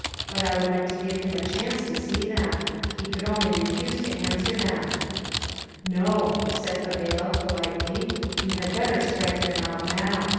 But I would like to give him a chance to see them. He could only refuse to answer them." "No," said Fabela, politely. "You had better strike them out now.